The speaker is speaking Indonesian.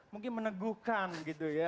mungkin meneguhkan gitu ya